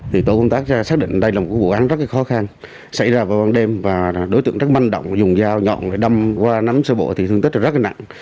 thì tổ công tác xác định đây là một vụ án rất khó khăn xảy ra vào ban đêm và đối tượng rất manh động dùng dao nhọn để đâm qua nắm sơ bộ thì thương tích rất là nặng